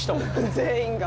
全員が。